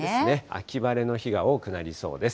秋晴れの日が多くなりそうです。